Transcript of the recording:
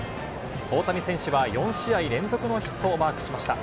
大谷選手は４試合連続のヒットをマークしました。